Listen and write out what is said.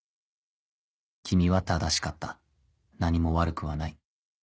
君は正しかった何も悪くはない。